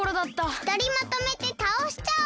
ふたりまとめてたおしちゃおう！